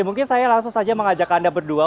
mungkin saya langsung saja mengajak anda berdua